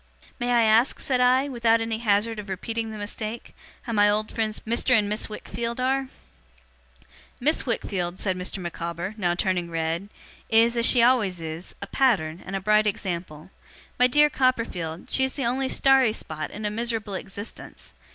'May I ask,' said I, 'without any hazard of repeating the mistake, how my old friends Mr. and Miss Wickfield are?' 'Miss Wickfield,' said Mr. Micawber, now turning red, 'is, as she always is, a pattern, and a bright example. My dear Copperfield, she is the only starry spot in a miserable existence.